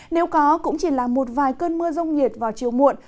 nếu có cũng chỉ là một vài cơn mưa rông nhiệt vào chiều muộn